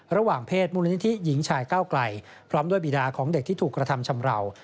ระหว่างเพศมูลนิธิหญิงชายก้าวไกลพร้อมด้วยบีดาของเด็กที่ถูกกระทำชำราว